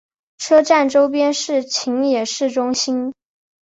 车站周边是秦野市中心。